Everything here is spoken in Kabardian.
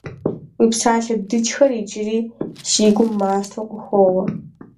Уи псалъэ дыджхэр иджыри си гум мастэу къыхоуэ.